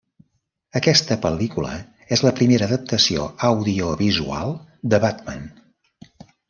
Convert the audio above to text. Aquesta pel·lícula és la primera adaptació audiovisual de Batman.